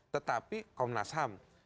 tetapi komnas ham